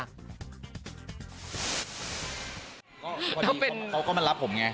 พอดีเขาก็มารับผมไง